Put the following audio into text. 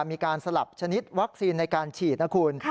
มีการสลับชนิดวัคซีนในการฉีดนะคุณ